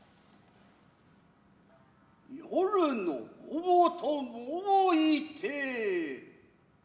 夜の棒と申いて。